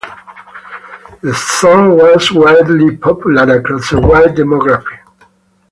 The song was wildly popular across a wide demographic.